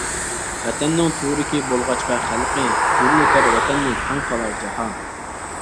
ۋەتەننىڭ تۈۋرۈكى بولغاچقا خەلقى، گۈللىتەر ۋەتەننى تاڭ قالار جاھان.